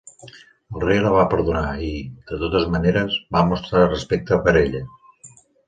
El rei la va perdonar i, de totes maneres, va mostrar respecte per ella.